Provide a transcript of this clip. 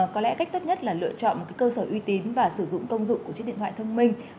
có lẽ cách thấp nhất là lựa chọn một cơ sở uy tín và sử dụng công dụng của chiếc điện thoại thông minh